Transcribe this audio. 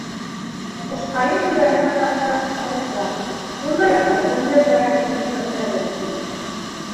Ҡушҡайын түбәһенән аҫтараҡ шишмәлек бар - шунда ята «донъя терәге»нең һөйәктәре.